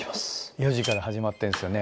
４時から始まってんですよね